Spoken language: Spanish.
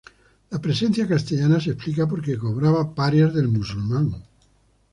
La presencia castellana se explica porque cobraba parias del musulmán.